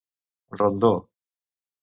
Rondó: